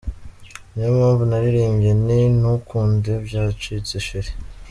Ni yo mpamvu naririmbye nti ‘ntukunde byacitse cheri.